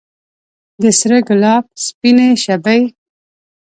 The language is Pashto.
د سره ګلاب سپینې شبۍ